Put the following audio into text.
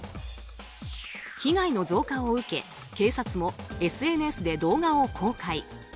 被害の増加を受け警察もＳＮＳで動画を公開。